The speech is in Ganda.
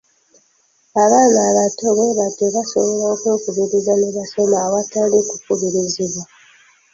Abaana abato bwe batyo basobola okwekubiriza ne basoma awatali kukubirizibwa.